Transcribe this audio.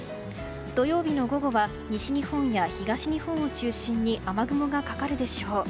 土曜日の午後は西日本や東日本を中心に雨雲がかかるでしょう。